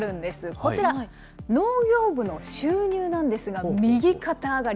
こちら、農業部の収入なんですが、右肩上がり。